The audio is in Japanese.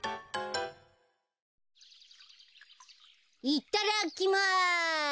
いっただきます！